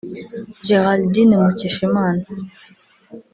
Geraldine Mukeshimana